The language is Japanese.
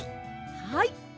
はい。